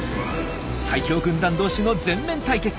最強軍団同士の全面対決。